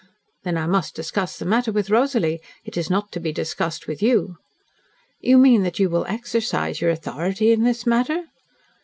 "Then I must discuss the matter with Rosalie. It is not to be discussed with you." "You mean that you will exercise your authority in the matter?"